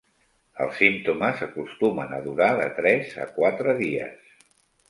Els símptomes acostumen a durar de tres a quatre dies.